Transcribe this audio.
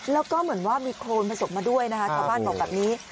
แล้วก็เหมือนว่ามีโครนผสมมาด้วยนะคะชาวบ้านบอกแบบนี้